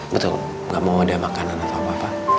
betul gak mau ada makanan atau apa apa